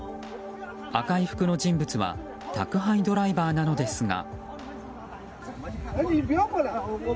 赤い服の人物は宅配ドライバーなのですが。